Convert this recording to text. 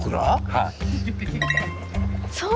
はい。